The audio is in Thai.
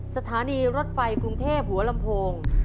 สถานีรถไฟกรุงเทพหัวลำโพง